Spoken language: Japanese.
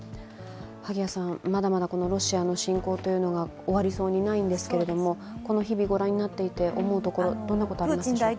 まだまだロシアの侵攻が終わりそうにないんですけどこの日々、御覧になっていて思うところ、どんなところがありますでしょうか？